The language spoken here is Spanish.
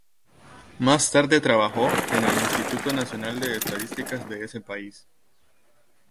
Más tarde trabajó en el Instituto Nacional de Estadísticas de ese país.